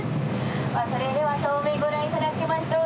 それでは正面ご覧いただきましょう。